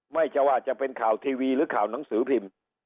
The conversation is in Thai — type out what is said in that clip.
ไม่ใช่ว่าจะเป็นข่าวทีวีหรือข่าวหนังสือพิมพ์